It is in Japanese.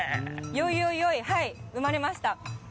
よいよいよい、生まれました。